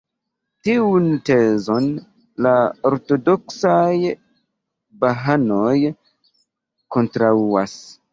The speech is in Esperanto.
Tiun tezon la ortodoksaj Bahaanoj kontraŭas.